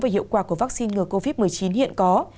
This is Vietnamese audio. và hiệu quả của vaccine ngừa covid một mươi chín hiện có